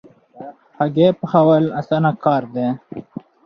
هګۍ پخول اسانه کار دی